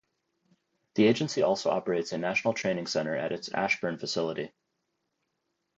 The agency also operates a national training center at its Ashburn facility.